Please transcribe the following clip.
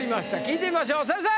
聞いてみましょう先生！